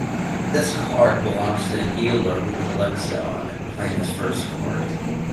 This card belongs to the dealer who collects it on playing his first card.